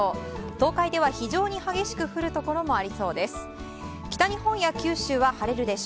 東海では非常に激しく降るところもありそうです。